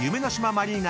マリーナ